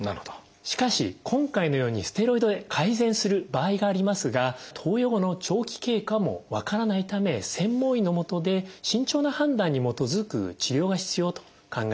しかし今回のようにステロイドで改善する場合がありますが投与後の長期経過も分からないため専門医の下で慎重な判断に基づく治療が必要と考えます。